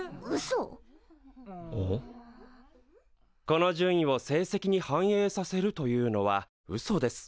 この順位を成績に反映させるというのはうそです。